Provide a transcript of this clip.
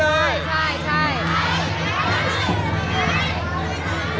ใช่ใช่